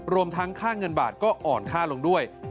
รวมทั้งค่าเงินบาทก็อ่อนค่าลงด้วย